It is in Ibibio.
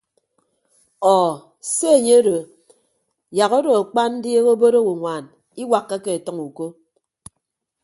Ọọ se enye odo yak odo akpa ndi obod owoñwan iwakkake ọtʌñ uko.